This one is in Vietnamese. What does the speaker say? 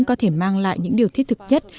có thể mang lại những điều thiết thực nhất